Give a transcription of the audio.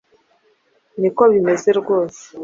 Ni ko bimeze rwose